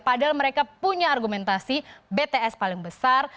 padahal mereka punya argumentasi bts paling besar